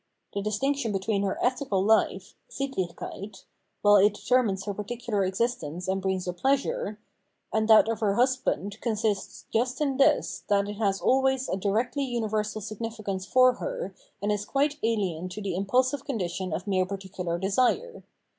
The distinction between her ethical fife (SittlicJikeit), (while it determines her particu lar existence and brings her pleasure), and that of hex husband consists just in this, that it has always a directly universal significance for her, and is quite alien to the impulsive condition of mere particular desire.